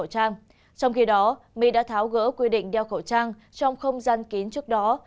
trong khi đó mỹ đã tháo gỡ quy định đeo khẩu trang trong không gian kín trước đó